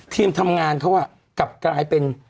ทีมทำงานเขากลับกลายเป็น